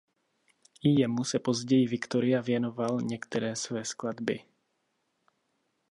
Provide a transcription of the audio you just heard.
I jemu se později Victoria věnoval některé své skladby.